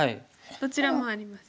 どちらもあります。